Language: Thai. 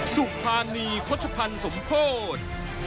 สุภาณีขวดชะพันธ์สมโฆษ